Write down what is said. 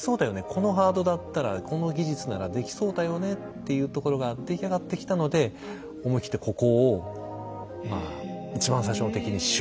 このハードだったらこの技術ならできそうだよねっていうところが出来上がってきたので思い切ってここをまあ一番最初の敵にしようと。